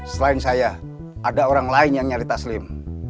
selain saya ada orang lain yang nyalir taslim